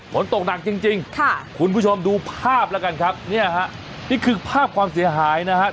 ฝนตกหนักจริงคุณผู้ชมดูภาพแล้วกันครับเนี่ยฮะนี่คือภาพความเสียหายนะครับ